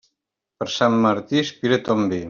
Per Sant Martí, aspira ton vi.